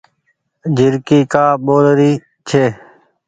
جهرڪي ڪآ ٻول رهي ڇي۔